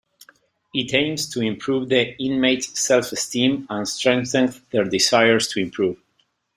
It aims to improve the inmates' self-esteem and strengthen their desire to improve.